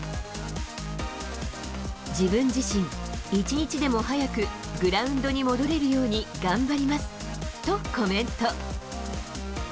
自分自身、一日でも早くグラウンドに戻れるように頑張りますと、コメント。